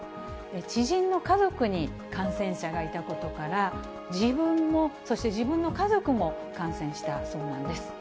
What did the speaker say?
知人の家族に感染者がいたことから、自分も、そして自分の家族も感染したそうなんです。